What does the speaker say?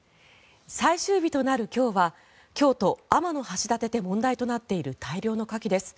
最終日となる今日は京都・天橋立で問題となっている大量のカキです。